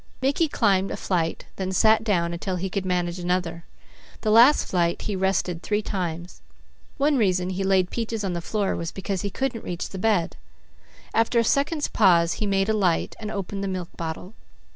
Mickey climbed a flight, then sat down until he could manage another. The last flight he rested three times. One reason he laid Peaches on the floor was because he couldn't reach the bed. After a second's pause he made a light, and opened the milk bottle.